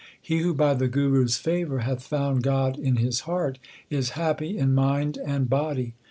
He who by the Guru s favour hath found God in his heart, is happy in mind and body.